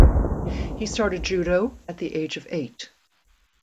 He started judo at the age of eight.